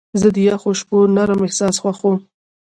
زه د یخو شپو نرم احساس خوښوم.